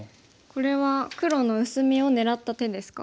これは黒の薄みを狙った手ですか？